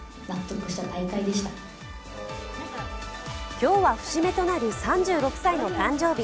今日は節目となる３６歳の誕生日。